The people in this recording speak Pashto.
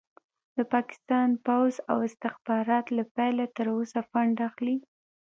د پاکستان پوځ او استخبارات له پيله تر اوسه فنډ اخلي.